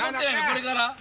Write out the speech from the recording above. これから？